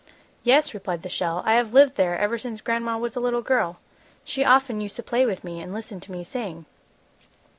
"Yes," replied the shell, "I have lived there ever since Gran'ma was a little girl. She often used to play with me and listen to me sing."